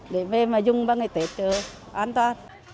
để về mà dùng vào ngày tết an toàn